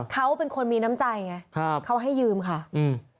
เขาเป็นคนมีน้ำใจไงครับเขาให้ยืมค่ะอืม